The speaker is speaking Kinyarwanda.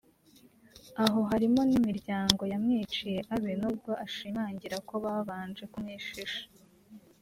aho harimo n’imiryango yamwiciye abe nubwo ashimangira ko babanje kumwishisha